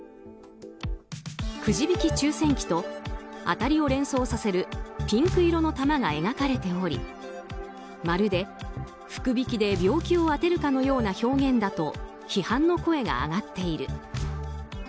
くじ引き抽選器と当たりを連想させるピンク色の玉が描かれており、まるで、福引で病気を当てるかのような表現だと批判の声が上がっている。